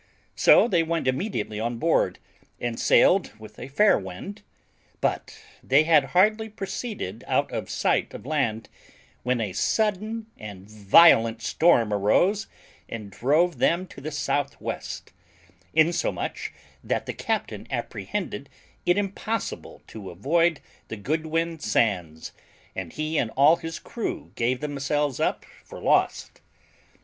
So they went immediately on board, and sailed with a fair wind; but they had hardly proceeded out of sight of land when a sudden and violent storm arose and drove them to the southwest; insomuch that the captain apprehended it impossible to avoid the Goodwin Sands, and he and all his crew gave themselves up for lost.